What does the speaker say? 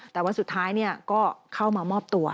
แต่วันสุดท้ายก็เข้ามามอบตัว